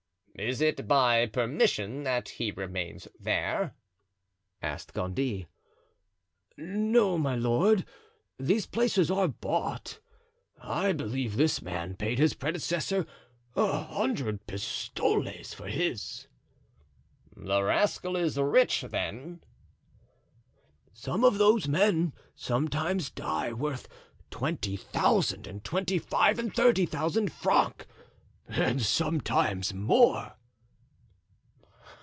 "Is it by permission that he remains there?" asked Gondy. "No, my lord; these places are bought. I believe this man paid his predecessor a hundred pistoles for his." "The rascal is rich, then?" "Some of those men sometimes die worth twenty thousand and twenty five and thirty thousand francs and sometimes more."